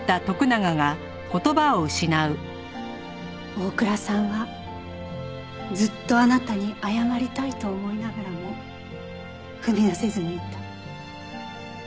大倉さんはずっとあなたに謝りたいと思いながらも踏み出せずにいた。